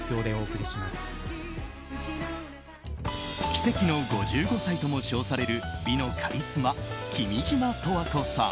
奇跡の５５歳とも称される美のカリスマ、君島十和子さん。